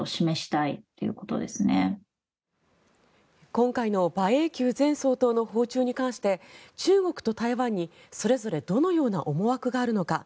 今回の馬英九前総統の訪中に関して中国と台湾にそれぞれどのような思惑があるのか。